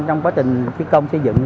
trong quá trình thiết công xây dựng